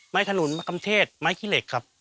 ถนนมะกำเทศไม้ขี้เหล็กครับ